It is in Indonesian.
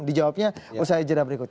dijawabnya usaha jerat berikut